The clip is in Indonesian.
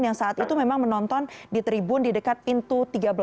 yang saat itu memang menonton di tribun di dekat pintu tiga belas